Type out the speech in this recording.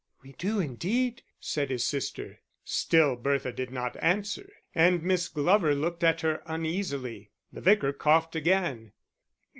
"We do indeed," said his sister. Still Bertha did not answer and Miss Glover looked at her uneasily. The Vicar coughed again.